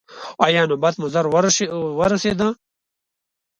ایا نوبت مو ژر ورسید؟